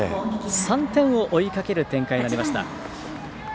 ３点を追いかける展開になりました。